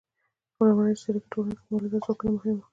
په لومړنیو اشتراکي ټولنو کې مؤلده ځواکونه مهم وو.